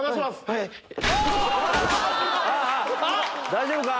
大丈夫か？